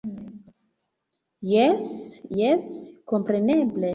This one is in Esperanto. Jes, jes kompreneble